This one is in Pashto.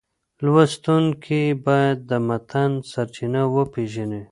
لوستونکی باید د متن سرچینه وپېژني.